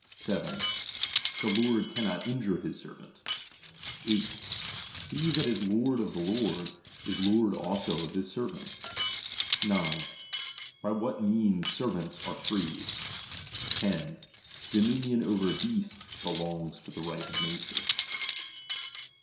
7. The lord cannot injure his servant 8. Ke that is lord of the lord, is lord also of his servants. 9. By vhat means servants are freed. 10. Dominion over beasts belongs to the right of nature.